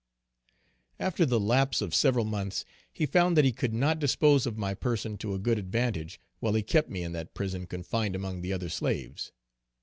After the lapse of several months, he found that he could not dispose of my person to a good advantage, while he kept me in that prison confined among the other slaves.